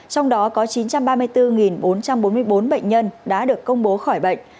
trong đó có chín trăm ba mươi bốn bốn trăm bốn mươi bốn bệnh nhân đã được công bố khỏi bệnh